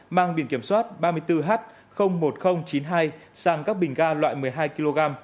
mang biển kiểm soát ba mươi bốn h một nghìn chín mươi hai sang các bình ga loại một mươi hai kg